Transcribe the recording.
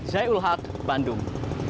zaiul haq bandung